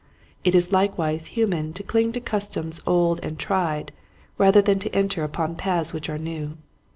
It is likewise human to cling to customs old and tried, rather than to enter upon paths which are new.